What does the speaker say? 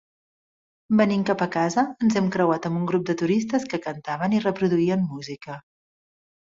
Venint cap a casa ens hem creuat amb un grup de turistes que cantaven i reproduïen música.